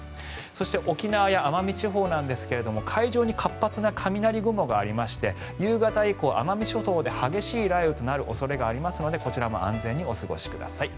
そして沖縄や奄美地方なんですけれども海上に活発な雷雲がありまして夕方以降、奄美諸島で激しい雷雨となる可能性がありますのでこちらも安全にお過ごしください。